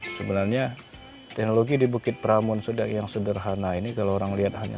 sebenarnya teknologi di bukit pramun yang sederhana ini kalau orang lihat hanya